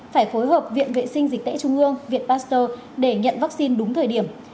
phải phối hợp viện vệ sinh dịch tễ trung ương viện pasteur để nhận vaccine đúng thời điểm